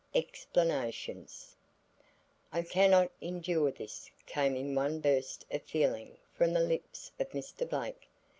EXPLANATIONS "I cannot endure this," came in one burst of feeling from the lips of Mr. Blake.